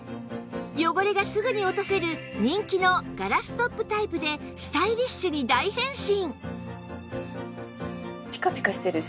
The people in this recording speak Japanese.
汚れがすぐに落とせる人気のガラストップタイプでスタイリッシュに大変身！